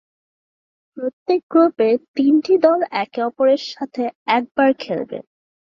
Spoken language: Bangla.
প্রত্যেক গ্রুপে তিনটি দল একে-অপরের সাথে একবার খেলবে।